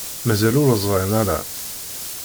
Mazal ur ẓṛin ara.